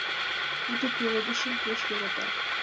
Тудо пеледышым пеш йӧрата.